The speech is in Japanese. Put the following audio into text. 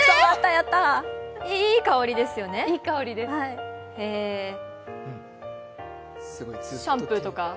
いい香りですよね、えーシャンプーとか？